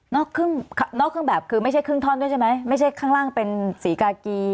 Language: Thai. นอกเครื่องแบบคือไม่ใช่ครึ่งท่อนด้วยใช่ไหมไม่ใช่ข้างล่างเป็นสีกากี